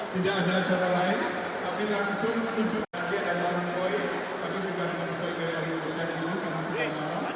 tidak ada cara lain tapi langsung menunjukkan